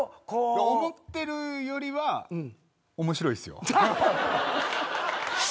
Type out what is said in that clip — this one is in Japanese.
思ってるよりは面白いっすよ。